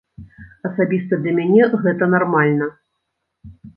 Асабіста для мяне гэта нармальна.